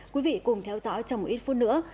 quý vị cùng theo dõi trong một ít phút nữa